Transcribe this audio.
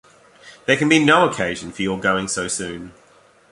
There can be no occasion for your going so soon.